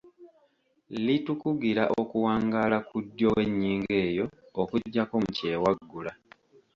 Litukugira okuwangaala ku ddyo w’ennyingo eyo okuggyako mu kyewaggula.